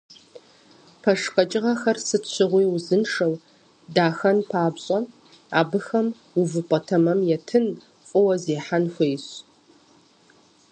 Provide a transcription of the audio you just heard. Пэш къэкӏыгъэхэр сыт щыгъуи узыншэн, дахэн папщӏэ, абыхэм увыпӏэ тэмэм етын, фӏыуэ зехьэн хуейщ.